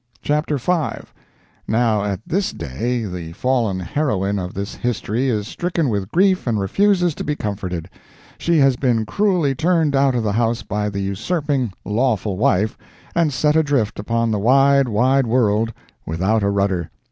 Chapter V.—Now at this day the fallen heroine of this history is stricken with grief and refuses to be comforted; she has been cruelly turned out of the house by the usurping, lawful wife, and set adrift upon the wide, wide world, without a rudder.